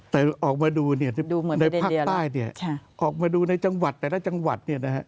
แต่ออกมาดูในภาคใต้ออกมาดูในจังหวัดแต่ละจังหวัด